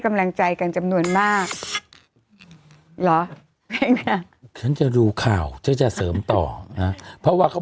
กำลังใจกันจำนวนมากเหรอฉันจะดูข่าวฉันจะเสริมต่อนะเพราะว่าเขา